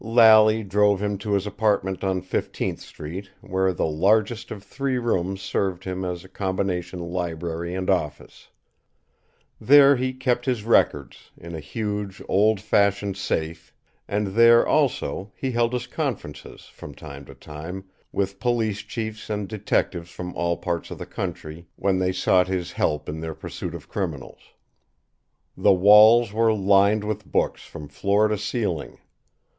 Lally drove him to his apartment on Fifteenth street, where the largest of three rooms served him as a combination library and office. There he kept his records, in a huge, old fashioned safe; and there, also, he held his conferences, from time to time, with police chiefs and detectives from all parts of the country when they sought his help in their pursuit of criminals. The walls were lined with books from floor to ceiling.